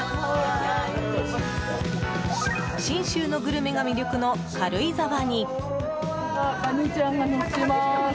信州のグルメが魅力の軽井沢に。